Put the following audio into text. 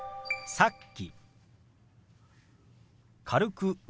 「さっき」。